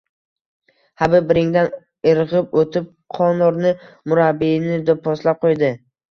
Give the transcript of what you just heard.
Habib ringdan irgʻib oʻtib, Qonorni murabbiyini doʻpposlab qoʻydi.